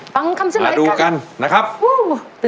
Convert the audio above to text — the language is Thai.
ต้องต้องมุ่งมั่นไป